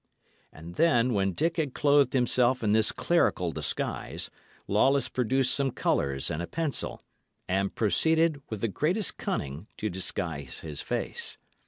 And then, when Dick had clothed himself in this clerical disguise, Lawless produced some colours and a pencil, and proceeded, with the greatest cunning, to disguise his face.